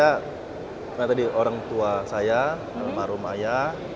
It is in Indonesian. seperti tadi orang tua saya marum aya